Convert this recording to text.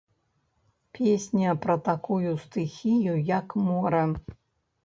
Песня пра такую стыхію, як мора.